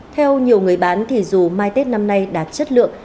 theo nhiều người bán dù mai tết năm nay đạt chất lượng